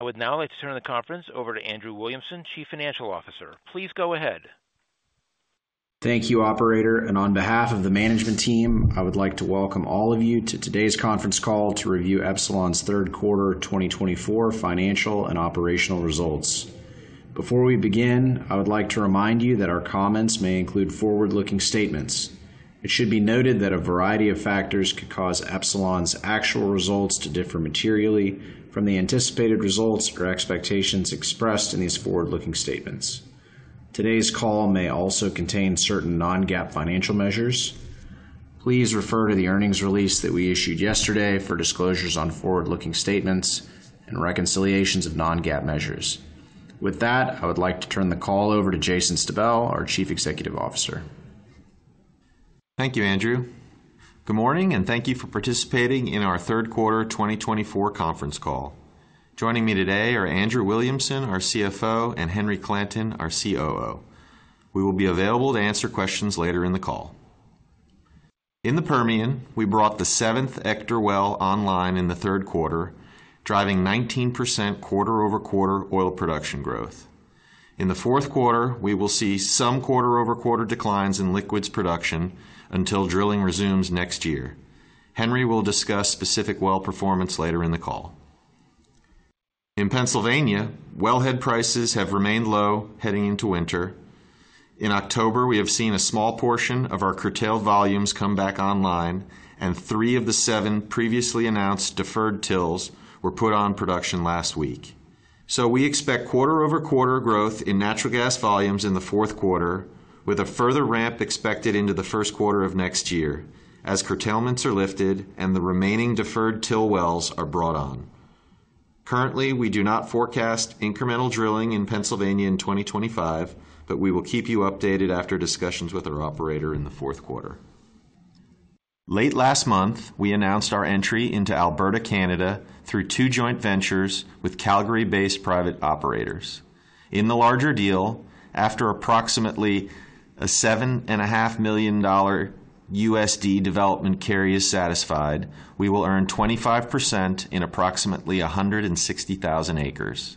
I would now like to turn the conference over to Andrew Williamson, Chief Financial Officer. Please go ahead. Thank you, operator, and on behalf of the management team, I would like to welcome all of you to today's conference call to review Epsilon's third quarter 2024 financial and operational results. Before we begin, I would like to remind you that our comments may include forward-looking statements. It should be noted that a variety of factors could cause Epsilon's actual results to differ materially from the anticipated results or expectations expressed in these forward-looking statements. Today's call may also contain certain non-GAAP financial measures. Please refer to the earnings release that we issued yesterday for disclosures on forward-looking statements and reconciliations of non-GAAP measures. With that, I would like to turn the call over to Jason Stabell, our Chief Executive Officer. Thank you, Andrew. Good morning, and thank you for participating in our third quarter 2024 conference call. Joining me today are Andrew Williamson, our CFO, and Henry Clanton, our COO. We will be available to answer questions later in the call. In the Permian, we brought the seventh Ector well online in the third quarter, driving 19% quarter-over-quarter oil production growth. In the fourth quarter, we will see some quarter-over-quarter declines in liquids production until drilling resumes next year. Henry will discuss specific well performance later in the call. In Pennsylvania, wellhead prices have remained low heading into winter. In October, we have seen a small portion of our curtailed volumes come back online, and three of the seven previously announced deferred TILs were put on production last week. So we expect quarter-over-quarter growth in natural gas volumes in the fourth quarter, with a further ramp expected into the first quarter of next year as curtailments are lifted and the remaining Deferred TIL wells are brought on. Currently, we do not forecast incremental drilling in Pennsylvania in 2025, but we will keep you updated after discussions with our operator in the fourth quarter. Late last month, we announced our entry into Alberta, Canada, through two joint ventures with Calgary-based private operators. In the larger deal, after approximately $7.5 million development carry is satisfied, we will earn 25% in approximately 160,000 acres.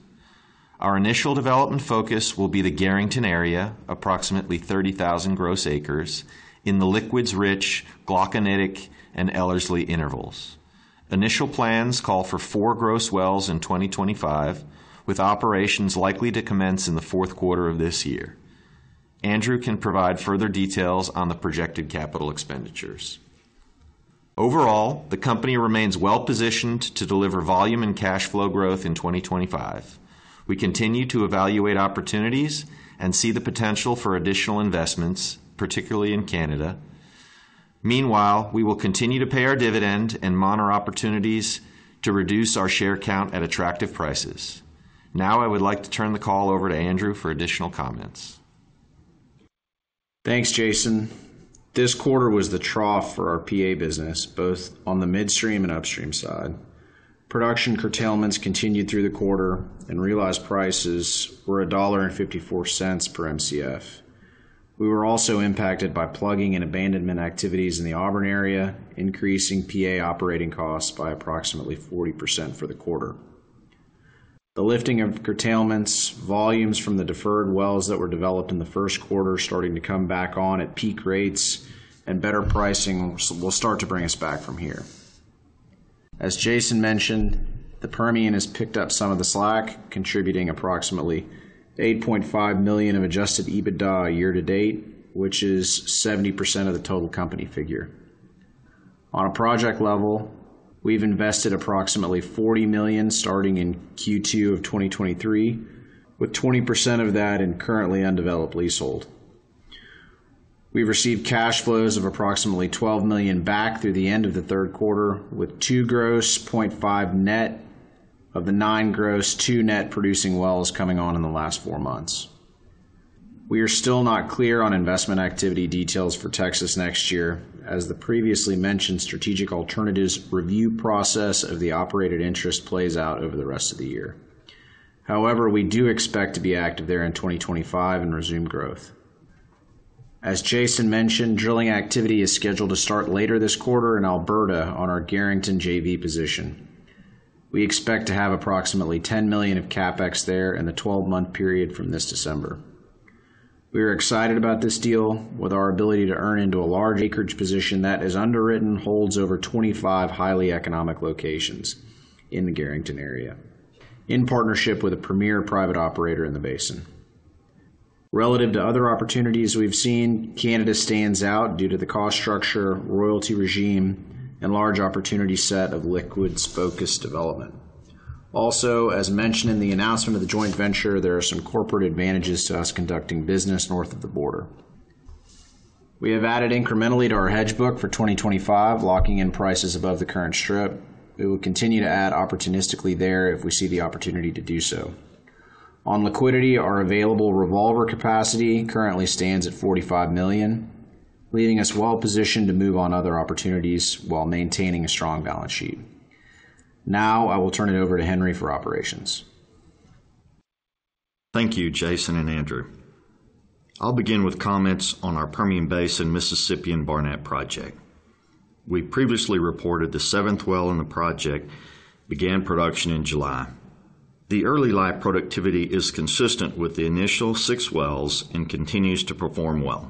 Our initial development focus will be the Garrington area, approximately 30,000 gross acres, in the liquids-rich Glauconitic and Ellerslie intervals. Initial plans call for four gross wells in 2025, with operations likely to commence in the fourth quarter of this year. Andrew can provide further details on the projected capital expenditures. Overall, the company remains well-positioned to deliver volume and cash flow growth in 2025. We continue to evaluate opportunities and see the potential for additional investments, particularly in Canada. Meanwhile, we will continue to pay our dividend and monitor opportunities to reduce our share count at attractive prices. Now, I would like to turn the call over to Andrew for additional comments. Thanks, Jason. This quarter was the trough for our PA business, both on the midstream and upstream side. Production curtailments continued through the quarter, and realized prices were $1.54 per MCF. We were also impacted by plugging and abandonment activities in the Auburn area, increasing PA operating costs by approximately 40% for the quarter. The lifting of curtailments, volumes from the deferred wells that were developed in the first quarter starting to come back on at peak rates, and better pricing will start to bring us back from here. As Jason mentioned, the Permian has picked up some of the slack, contributing approximately $8.5 million of Adjusted EBITDA year to date, which is 70% of the total company figure. On a project level, we've invested approximately $40 million starting in Q2 of 2023, with 20% of that in currently undeveloped leasehold. We've received cash flows of approximately $12 million back through the end of the third quarter, with 2.5 net of the 9.2 net producing wells coming on in the last four months. We are still not clear on investment activity details for Texas next year, as the previously mentioned strategic alternatives review process of the operated interest plays out over the rest of the year. However, we do expect to be active there in 2025 and resume growth. As Jason mentioned, drilling activity is scheduled to start later this quarter in Alberta on our Garrington JV position. We expect to have approximately $10 million of CapEx there in the 12-month period from this December. We are excited about this deal with our ability to earn into a large acreage position that, as underwritten, holds over 25 highly economic locations in the Garrington area, in partnership with a premier private operator in the basin. Relative to other opportunities we've seen, Canada stands out due to the cost structure, royalty regime, and large opportunity set of liquids-focused development. Also, as mentioned in the announcement of the joint venture, there are some corporate advantages to us conducting business north of the border. We have added incrementally to our hedge book for 2025, locking in prices above the current strip. We will continue to add opportunistically there if we see the opportunity to do so. On liquidity, our available revolver capacity currently stands at $45 million, leaving us well-positioned to move on other opportunities while maintaining a strong balance sheet. Now, I will turn it over to Henry for Operations. Thank you, Jason and Andrew. I'll begin with comments on our Permian Basin Mississippian Barnett project. We previously reported the seventh well in the project began production in July. The early-life productivity is consistent with the initial six wells and continues to perform well.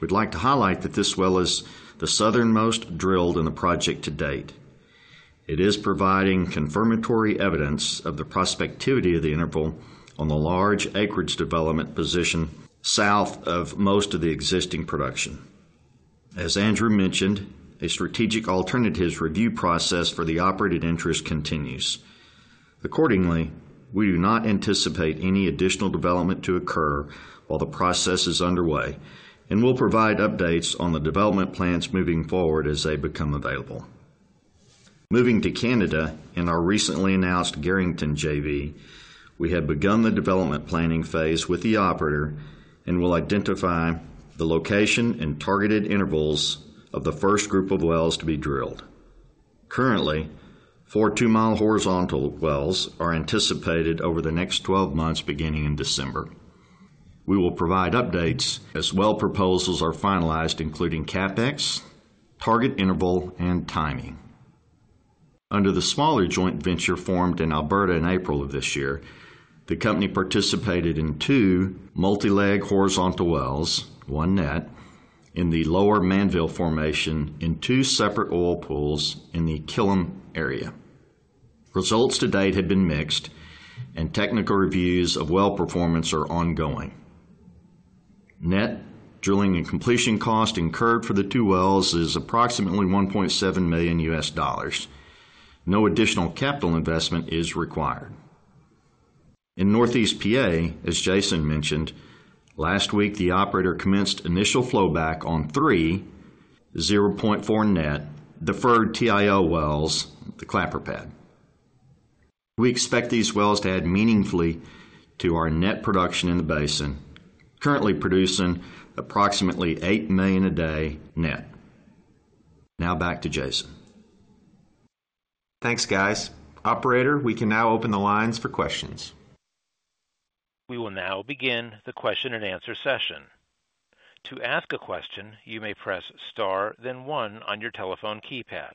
We'd like to highlight that this well is the southernmost drilled in the project to date. It is providing confirmatory evidence of the prospectivity of the interval on the large acreage development position south of most of the existing production. As Andrew mentioned, a strategic alternatives review process for the operated interest continues. Accordingly, we do not anticipate any additional development to occur while the process is underway, and we'll provide updates on the development plans moving forward as they become available. Moving to Canada in our recently announced Garrington JV, we have begun the development planning phase with the Operator and will identify the location and targeted intervals of the first group of wells to be drilled. Currently, four two-mile horizontal wells are anticipated over the next 12 months beginning in December. We will provide updates as well proposals are finalized, including CapEx, target interval, and timing. Under the smaller joint venture formed in Alberta in April of this year, the company participated in two multi-leg horizontal wells, one net, in the Lower Mannville formation in two separate oil pools in the Killam area. Results to date have been mixed, and technical reviews of well performance are ongoing. Net drilling and completion cost incurred for the two wells is approximately $1.7 million. No additional capital investment is required. In Northeast PA, as Jason mentioned, last week, the Operator commenced initial flowback on three 0.4 net deferred TIL wells, the Clapper Pad. We expect these wells to add meaningfully to our net production in the basin, currently producing approximately 8 million a day net. Now, back to Jason. Thanks, guys. Operator, we can now open the lines for questions. We will now begin the question and answer session. To ask a question, you may press star, then one on your telephone keypad.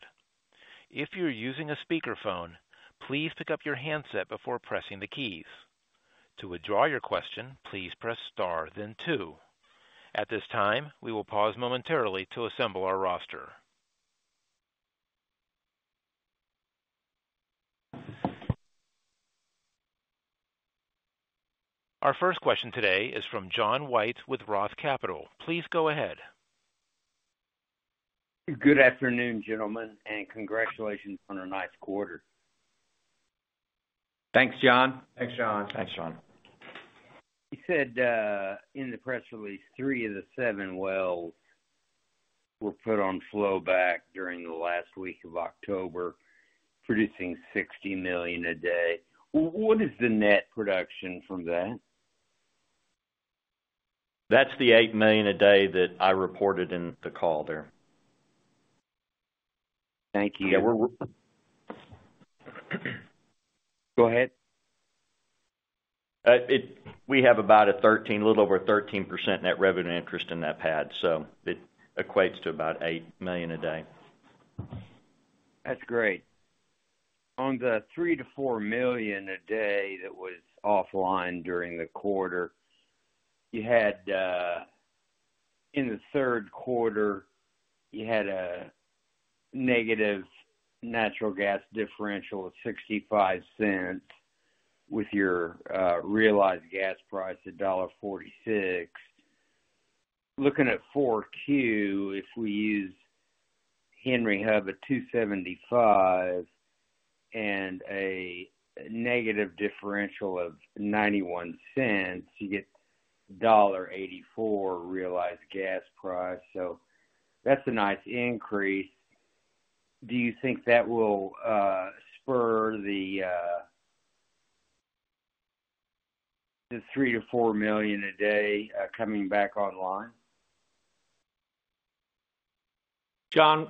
If you're using a speakerphone, please pick up your handset before pressing the keys. To withdraw your question, please press star, then two. At this time, we will pause momentarily to assemble our roster. Our first question today is from John White with Roth Capital. Please go ahead. Good afternoon, gentlemen, and congratulations on a nice quarter. Thanks, John. Thanks, John. Thanks, John. He said in the press release, three of the seven wells were put on flowback during the last week of October, producing 60 million a day. What is the net production from that? That's the 8 million a day that I reported in the call there. Thank you. Yeah, we're. Go ahead. We have about a 13, a little over 13% net revenue interest in that pad, so it equates to about 8 million a day. That's great. On the 3-4 million a day that was offline during the quarter, you had in the third quarter, you had a negative natural gas differential of $0.65 with your realized gas price at $1.46. Looking at 4Q, if we use Henry Hub at $2.75 and a negative differential of $0.91, you get $1.84 realized gas price. So that's a nice increase. Do you think that will spur the 3-4 million a day coming back online? John,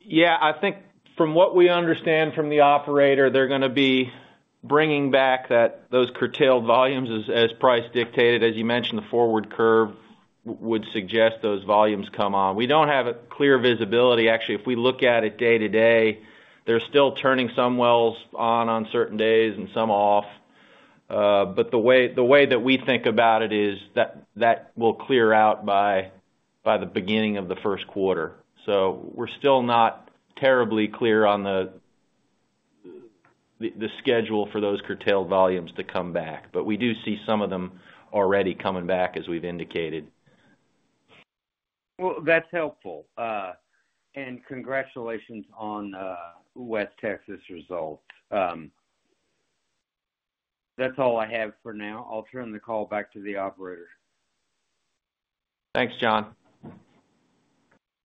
yeah, I think from what we understand from the Operator, they're going to be bringing back those curtailed volumes as price dictated. As you mentioned, the forward curve would suggest those volumes come on. We don't have a clear visibility. Actually, if we look at it day to day, they're still turning some wells on certain days and some off. But the way that we think about it is that will clear out by the beginning of the first quarter. So we're still not terribly clear on the schedule for those curtailed volumes to come back, but we do see some of them already coming back as we've indicated. Well, that's helpful. And congratulations on West Texas results. That's all I have for now. I'll turn the call back to the Operator. Thanks, John.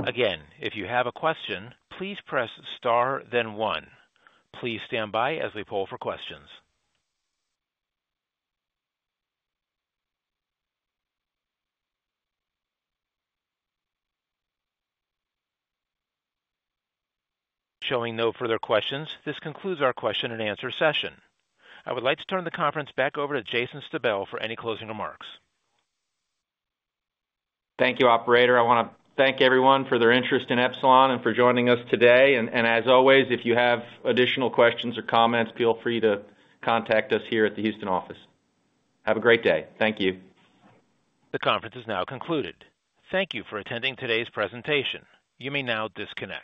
Again, if you have a question, please press star, then one. Please stand by as we poll for questions. Showing no further questions, this concludes our question and answer session. I would like to turn the conference back over to Jason Stabell for any closing remarks. Thank you, Operator. I want to thank everyone for their interest in Epsilon and for joining us today. And as always, if you have additional questions or comments, feel free to contact us here at the Houston office. Have a great day. Thank you. The conference is now concluded. Thank you for attending today's presentation. You may now disconnect.